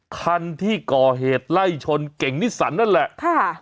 คันที่ก่อเหตุไล่ชนเก่งนิสันนั่นแหละค่ะ